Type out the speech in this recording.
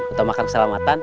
untuk makan keselamatan